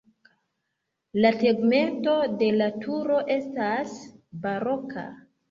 La tegmento de la turo estas baroka.